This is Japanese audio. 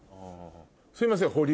すいません。